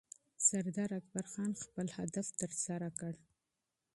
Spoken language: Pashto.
سردار اکبرخان خپل مشن ترسره کړ